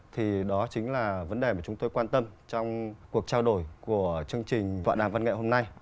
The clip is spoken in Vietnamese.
thì đó chính là vấn đề mà chúng tôi quan tâm trong cuộc trao đổi của chương trình vạn đàm văn nghệ hôm nay